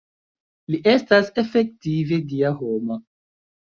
Li estas efektive Dia homo.